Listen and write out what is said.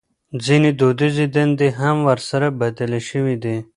ځينې دوديزې دندې هم ورسره بدلې شوې دي.